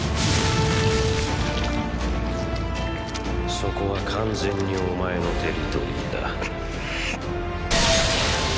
そこは完全にお前のテリトリーだ。